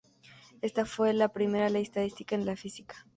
Esta fue la primera ley estadística en la física.